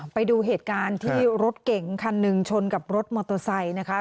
ไปดูเหตุการณ์ที่รถเก่งคันหนึ่งชนกับรถมอเตอร์ไซค์นะคะ